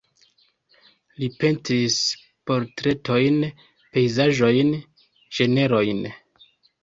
Li pentris portretojn, pejzaĝojn, ĝenrojn.